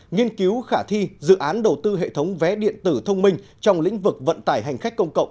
nghiên cứu khả thi dự án đầu tư hệ thống vé điện tử thông minh trong lĩnh vực vận tải hành khách công cộng